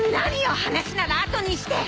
話ならあとにして。